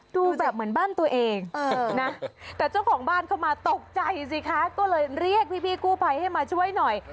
ดูแบบเหมือนบ้านตัวเองนะแต่เจ้าของบ้านเข้ามาตกใจสิคะก็เลยเรียกพี่กู้ภัยให้มาช่วยหน่อย